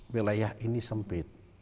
wilayah ini sempit